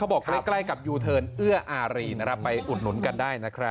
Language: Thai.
บอกใกล้กับยูเทิร์นเอื้ออารีไปอุดหนุนกันได้นะครับ